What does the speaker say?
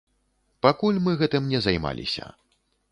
Пакуль мы гэтым не займаліся.